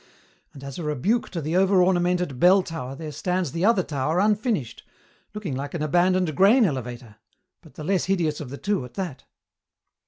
And as a rebuke to the over ornamented bell tower there stands the other tower unfinished, looking like an abandoned grain elevator, but the less hideous of the two, at that.